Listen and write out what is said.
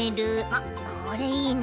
あっこれいいね。